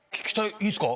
いいですか？